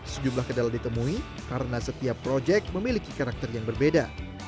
sejumlah kendala ditemui karena setiap project memiliki karakter yang berbeda